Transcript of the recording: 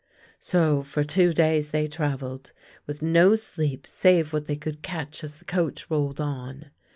So for two days they travelled, with no sleep save what they could catch as the coach rolled on.